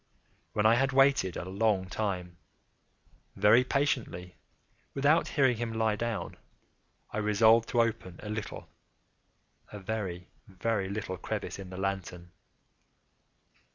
When I had waited a long time, very patiently, without hearing him lie down, I resolved to open a little—a very, very little crevice in the lantern.